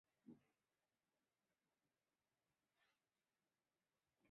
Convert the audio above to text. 他也被评为最有价值球员。